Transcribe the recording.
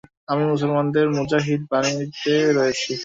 আমি মুসলমানদের মুজাহিদ বাহিনীতে রয়েছি।